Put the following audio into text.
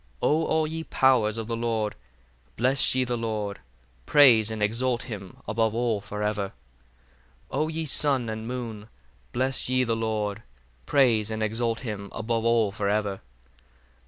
39 O all ye powers of the Lord, bless ye the Lord: praise and exalt him above all for ever. 40 O ye sun and moon, bless ye the Lord: praise and exalt him above all for ever.